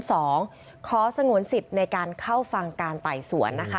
ขอสงวนสิทธิ์ในการเข้าฟังการไต่สวนนะคะ